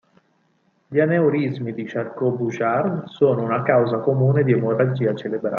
Gli aneurismi di Charcot-Bouchard sono una causa comune di emorragia cerebrale.